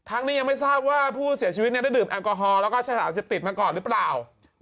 นี้ยังไม่ทราบว่าผู้เสียชีวิตได้ดื่มแอลกอฮอลแล้วก็ใช้สารเสพติดมาก่อนหรือเปล่า